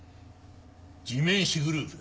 地面師グループだ。